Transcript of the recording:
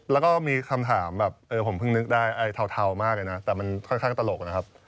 แล้วก็มีคำถามแบบเออผมเพิ่งนึกได้เทามากเลยนะแต่มันค่อนข้างตลกนะครับ